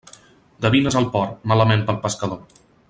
Gavines al port, malament pel pescador.